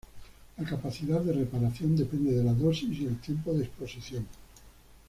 La capacidad de reparación depende de la dosis y el tiempo de exposición.